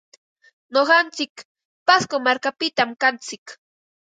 Nuqantsik pasco markapitam kantsik.